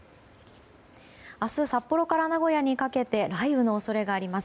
明日、札幌から名古屋にかけて雷雨の恐れがあります。